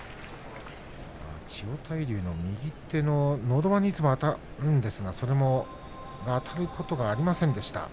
千代大龍の右手ののど輪にいつもあたるんですがそれが、あたることはありませんでした。